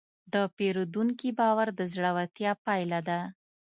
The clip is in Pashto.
د پیرودونکي باور د زړورتیا پایله ده.